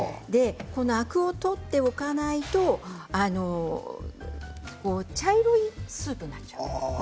アクを取っておかないと茶色いスープになっちゃうの。